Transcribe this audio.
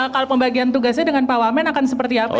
kalau pembagian tugasnya dengan pak wamen akan seperti apa